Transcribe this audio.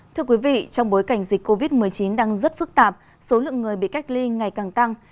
thưa quý vị trong bối cảnh dịch covid một mươi chín đang rất phức tạp số lượng người bị cách ly ngày càng tăng